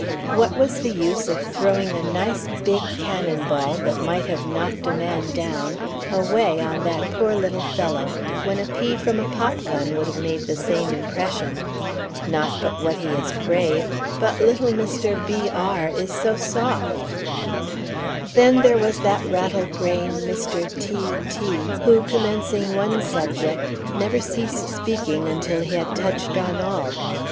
What was the use of throwing a nice, big cannon ball, that might have knocked a man down, away on that poor little fellow, when a pea from a popgun would have made the same impression? Not but what he is brave, but little Mr. B r is so soft. Then there was that rattle brain Mr. T t who, commencing one subject, never ceased speaking until he had touched on all.